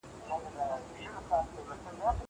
زه پرون مېوې وخوړه.